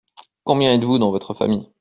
Combien êtes-vous dans votre famille ?